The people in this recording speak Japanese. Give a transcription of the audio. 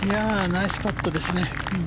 ナイスパットですね。